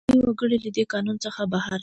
استثنايي وګړي له دې قانونه بهر دي.